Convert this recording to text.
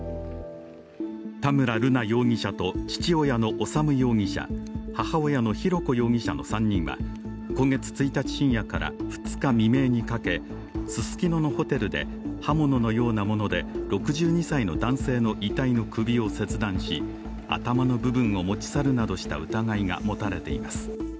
田村瑠奈容疑者と父親の修容疑者、母親の浩子容疑者の３人は今月１日深夜から２日未明にかけ、ススキノのホテルで刃物のようなもので６２歳の男性の遺体の首を切断し頭の部分を持ち去るなどした疑いがもたれています。